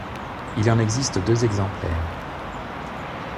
Il en existe deux exemplaires.